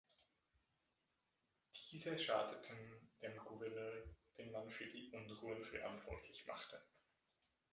Diese schadeten dem Gouverneur, den man für die Unruhen verantwortlich machte.